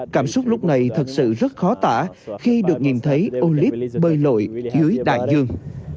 cảm xúc lúc này thật sự rất khó tả khi được nhìn thấy olip bơi lội dưới đàn dương